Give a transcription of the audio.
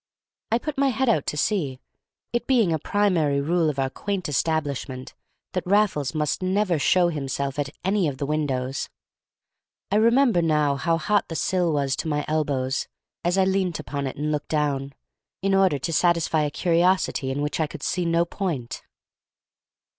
I put my head out to see, it being a primary rule of our quaint establishment that Raffles must never show himself at any of the windows. I remember now how hot the sill was to my elbows, as I leant upon it and looked down, in order to satisfy a curiosity in which I could see no point.